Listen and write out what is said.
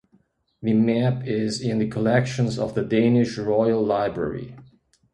The map is in the collections of the Danish Royal Library.